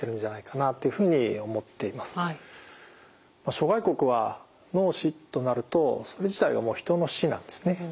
諸外国は脳死となるとそれ自体がもう人の死なんですね。